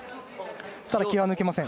気は抜けません。